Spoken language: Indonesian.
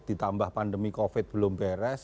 ditambah pandemi covid belum beres